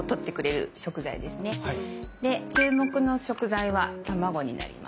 で注目の食材は卵になります。